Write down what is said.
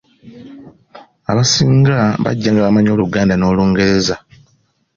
Abasinga bajja nga bamanyi Oluganda n’Olungereza.